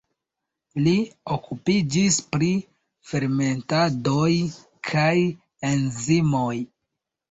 Li okupiĝis pri fermentadoj kaj enzimoj.